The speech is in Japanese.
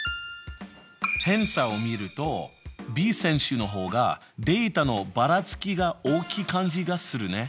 偏差を見るとＢ選手の方がデータのばらつきが大きい感じがするね。